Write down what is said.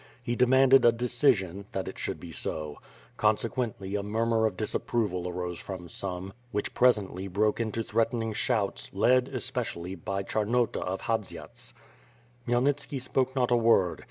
He demanded a decision, that it should be so. Conse quently a murmur of disapproval arose from some, which presently broke into threatening shouts, led, especially, by Charnota of Hadziats. Khmyelnitski spoke not a word.